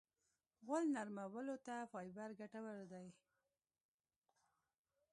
غول نرمولو ته فایبر ګټور دی.